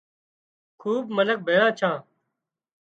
خوٻ منک ڀِيۯان ڇان